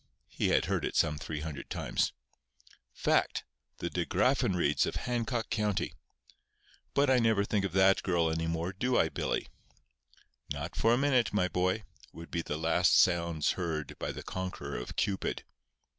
He had heard it some three hundred times. "Fact. The De Graffenreids of Hancock County. But I never think of that girl any more, do I, Billy?" "Not for a minute, my boy," would be the last sounds heard by the conqueror of Cupid.